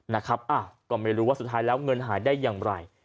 นะครับอ้าวก็ไม่รู้ว่าสุดท้ายแล้วเงินหายได้อย่างไร